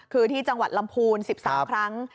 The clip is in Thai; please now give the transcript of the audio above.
คือที่จังหวัดลำพูน๑๓ครั้ง